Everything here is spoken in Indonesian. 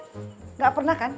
nggak pernah kan